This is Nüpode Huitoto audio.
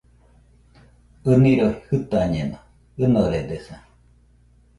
ɨniroi jɨtañeno, ɨnoredesa.